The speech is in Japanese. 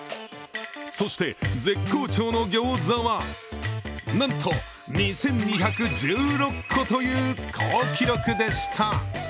そして、絶好調のギョーザはなんと２２１６個という好記録でした。